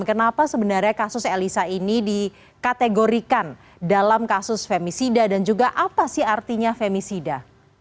kenapa sebenarnya kasus elisa ini dikategorikan dalam kasus femisida dan juga apa sih artinya femisida